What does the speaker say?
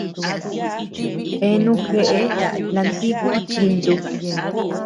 Eanu jeʼe lantikuu itintu.